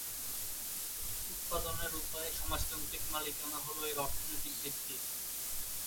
উৎপাদনের উপায়ে সমাজতান্ত্রিক মালিকানা হলো এর অর্থনৈতিক ভিত্তি।